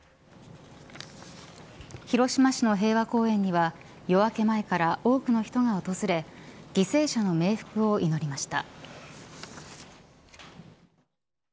広島市の平和公園には夜明け前から多くの人が訪れ犠牲者の冥福を祈りました。